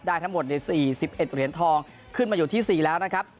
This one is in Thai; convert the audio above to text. ได้ทั้งหมดในสี่สิบเอ็ดเหรียญทองขึ้นมาอยู่ที่สี่แล้วนะครับ